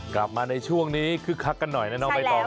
กลับมาในช่วงนี้คึกคักกันหน่อยนะน้องใบตอง